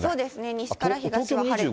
西から東は晴れて。